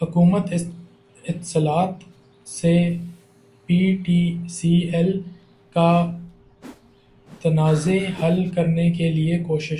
حکومت اتصالات سے P T C L کا تنازع حل کرنے کیلئے کوشاں